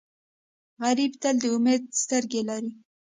غریب تل د امید سترګې لري